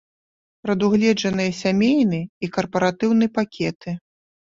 Прадугледжаныя сямейны і карпаратыўны пакеты.